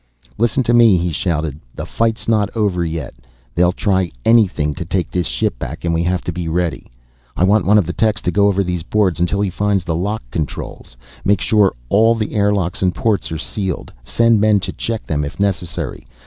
"Listen to me," he shouted. "The fight's not over yet. They'll try anything to take this ship back and we have to be ready. I want one of the techs to go over these boards until he finds the lock controls. Make sure all the air locks and ports are sealed. Send men to check them if necessary.